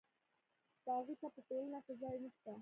باغي ته په ټولنه کې ځای نشته.